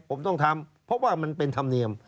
ผมต้องทำเพราะว่ามันเป็นธรรมเนียม